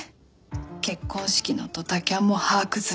結婚式のドタキャンも把握済み